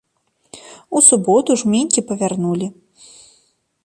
У суботу жменькі павярнулі.